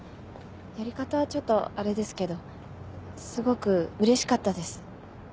やり方はちょっとアレですけどすごくうれしかったです。